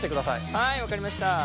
はい分かりました。